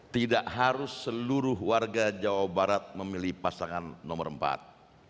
tidak harus seluruh warga jawa barat memilih pasangan nomor empat